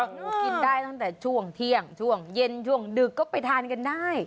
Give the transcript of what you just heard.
ลูกกินได้ตั้งแต่ช่วงเที่ยงช่วงเย็นช่วงดึกก็ไปทานกันได้